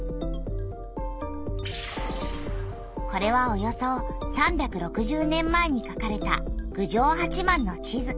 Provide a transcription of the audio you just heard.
これはおよそ３６０年前にかかれた郡上八幡の地図。